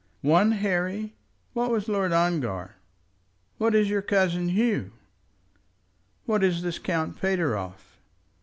"One, Harry! What was Lord Ongar? What is your cousin Hugh? What is this Count Pateroff?